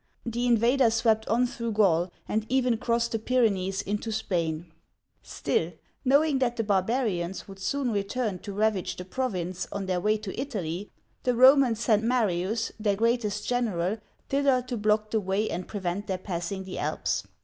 The invaders swept on through Gaul, and even crossed the Pyrenees into Spain. Still, knowing that the barbarians uigiTizea Dy vjiOOQlC 26 OLD FRANCE would soon return to ravage the Province on their way to Italy, the Romans sent Ma'rius, their greatest general, thither to block the way and prevent their passing the Alps.